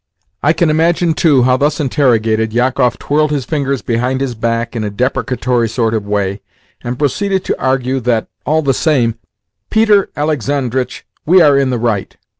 I can imagine, too, how, thus interrogated, Jakoff twirled his fingers behind his back in a deprecatory sort of way, and proceeded to argue that it all the same, "Peter Alexandritch, we are in the right."